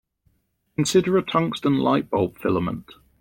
Consider a tungsten light-bulb filament.